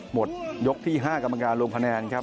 หมดยกที่๕กรรมการลงคะแนนครับ